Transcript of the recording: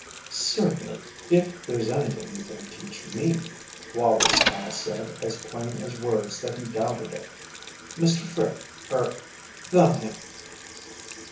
"Certainly if there's anything you can teach me," Wallie's smile said as plain as words that he doubted it. "Mr. Fripp er 'thumb' him."